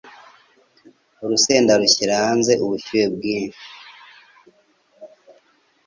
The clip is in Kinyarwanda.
Urusenda rushyira hanze ubushyuhe bwinshi.